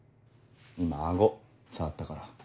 今顎触ったから。